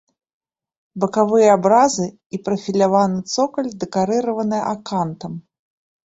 Бакавыя абразы і прафіляваны цокаль дэкарыраваны акантам.